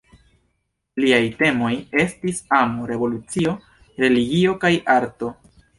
Liaj temoj estis amo, revolucio, religio kaj arto.